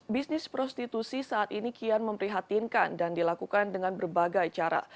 bisnis prostitusi saat ini kian memprihatinkan dan dilakukan dengan berbagai cara